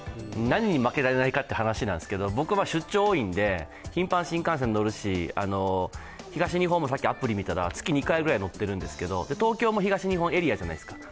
何に負けられないかって話なんですけど、僕、出張が多いので、頻繁に新幹線に乗るし東日本もさっきアプリ見たら月２回ぐらい乗るんですけど東京も東日本エリアじゃないですか。